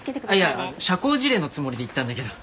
いや社交辞令のつもりで言ったんだけど。